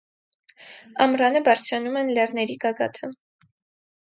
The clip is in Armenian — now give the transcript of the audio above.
Ամռանը բարձրանում են լեռների գագաթը։